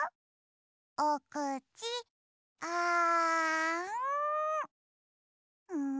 おくちあん！